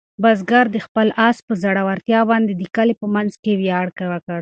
بزګر د خپل آس په زړورتیا باندې د کلي په منځ کې ویاړ وکړ.